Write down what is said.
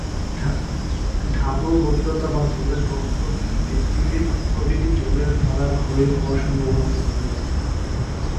ঢালু, গভীরতা বা জলের ঘনত্ব বৃদ্ধি প্রভৃতি জলের দ্বারা ক্ষয় হওয়ার সম্ভাবনাকে বাড়িয়ে তোলে।